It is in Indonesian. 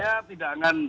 saya tidak akan